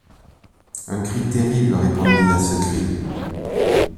Un cri terrible répondit à ce cri.